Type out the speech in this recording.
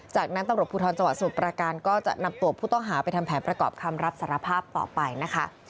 จากนั้นตำรวจภูทรจังหวัดสมุทรประการก็จะนำตัวผู้ต้องหาไปทำแผนประกอบคำรับสารภาพต่อไปนะคะ